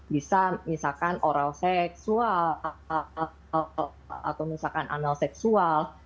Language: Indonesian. bisa misalkan oral seksual atau misalkan anal seksual